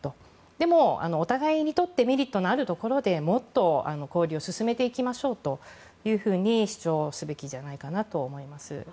でも、お互いにとってメリットのあるところでもっと交流を進めていきましょうと主張すべきではないかなと思います。